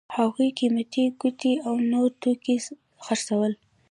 هغوی قیمتي ګوتې او نور توکي خرڅول.